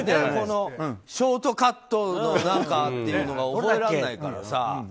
ショートカットの何かっていうのが覚えられないからさ。